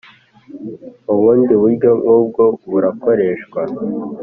ubundi buryo nk ubwo burakoreshwa